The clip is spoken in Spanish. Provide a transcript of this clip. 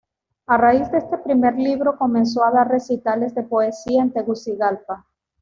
A raíz de este primer libro comenzó a dar recitales de poesía en Tegucigalpa.